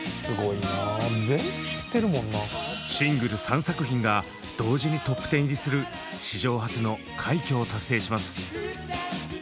シングル３作品が同時にＴＯＰ１０入りする史上初の快挙を達成します。